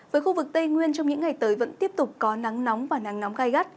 với khu vực tây nguyên trong những ngày tới vẫn tiếp tục có nắng nóng và nắng nóng gai gắt